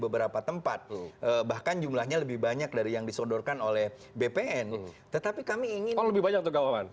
bahkan jumlahnya lebih banyak dari yang disodorkan oleh bpn tetapi kami ingin lebih banyak kegawalan